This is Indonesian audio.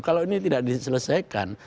kalau ini tidak diselesaikan